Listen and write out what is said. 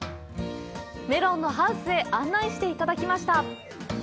メロンのハウスへ案内していただきました。